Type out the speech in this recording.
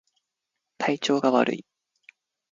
体調が悪い